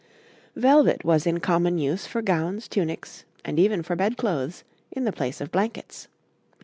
}] Velvet was in common use for gowns, tunics, and even for bed clothes, in the place of blankets.